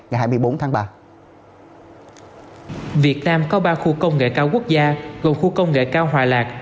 việt nam có ba khu công nghệ cao quốc gia gồm khu công nghệ cao hòa lạc